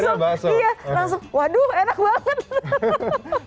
iya langsung waduh enak banget